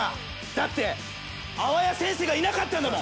だって淡谷先生がいなかったんだもん。